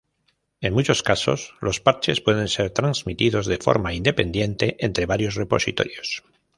En muchos casos, los parches pueden ser transmitidos de forma independiente entre varios repositorios.